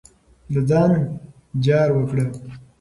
د ځان جار وکړه.